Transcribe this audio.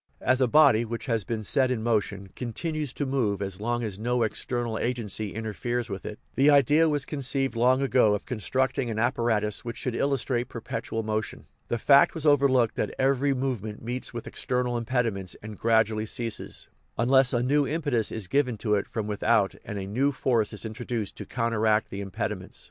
As a body which has been set in motion continues to move as long as no external agency interferes with it, the idea was conceived long ago of constructing an apparatus which should illustrate perpetual motion. The fact was overlooked that every movement meets with external impediments and gradually ceases, un less a new impetus is given to it from without and a new force is introduced to counteract the impediments.